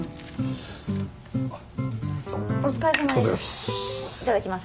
お疲れさまです。